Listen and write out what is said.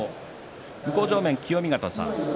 向正面清見潟さん